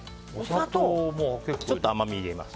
ちょっと甘みを入れます。